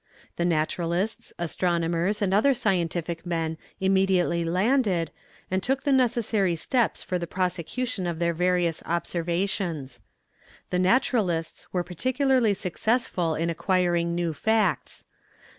The naturalists, astronomers, and other scientific men immediately landed, and took the necessary steps for the prosecution of their various observations. The naturalists were particularly successful in acquiring new facts.